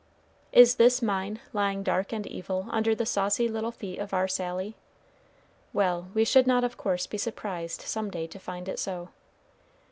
Is this mine lying dark and evil under the saucy little feet of our Sally? Well, we should not of course be surprised some day to find it so.